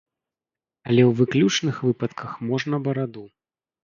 Але ў выключных выпадках можна бараду.